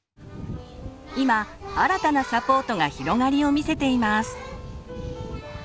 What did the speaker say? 今新たなサポートが広がりを見せています。